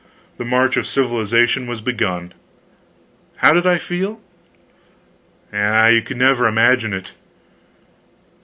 The march of civilization was begun. How did I feel? Ah, you never could imagine it.